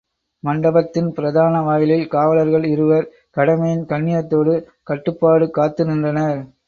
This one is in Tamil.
மண்டபத்தின் பிரதான வாயிலில் காவலர்கள் இருவர் கடமையின் கண்ணியத்தோடு, கட்டுப்பாடு காத்து நின்றனர்.